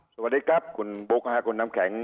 สวัสดีครับคุณบุ๊คคุณน้ำแข็ง